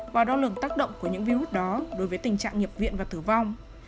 và đo lường tác động của những virus đó đối với tình trạng nhập viện và tử vong